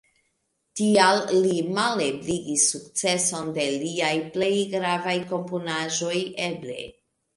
Tial li malebligis sukceson de liaj plej gravaj komponaĵoj eble.